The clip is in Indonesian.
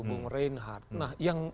bung reinhardt nah yang